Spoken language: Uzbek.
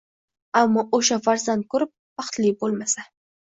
Ammo oʻsha farzand koʻrib, baxtli boʻlmasa